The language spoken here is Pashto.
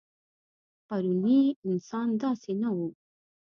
پروني انسان داسې نه و.